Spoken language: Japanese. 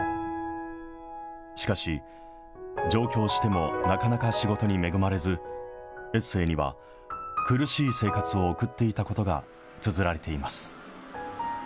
しかし、上京してもなかなか仕事に恵まれず、エッセーには、苦しい生活を送っていたことがつづられています。